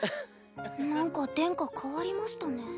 なんか殿下変わりましたね。